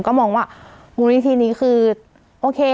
ก็มองว่ามูลนิธินี้คือโอเค